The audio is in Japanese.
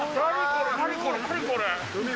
何これ。